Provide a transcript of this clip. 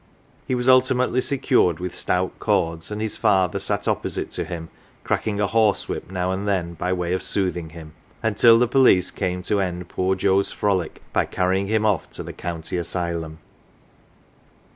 He was ultimately secured with stout cords, and his father sat opposite to him, cracking a horsewhip now and then by way of soothing him, until the police came to end poor Joe's frolic by carrying him oft' to the county asylum.